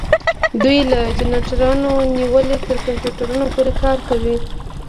دوی له جنراتورونو نیولې تر کمپیوټر پورې کار کوي.